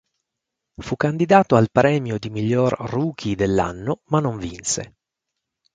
Fu candidato al premio di miglior rookie dell'anno ma non vinse.